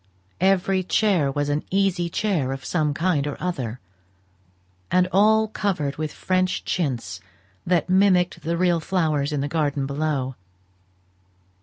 Every chair was an easy chair of some kind or other; and all covered with French chintz that mimicked the real flowers in the garden below.